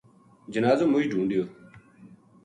جنازو مُچ ڈھُونڈیو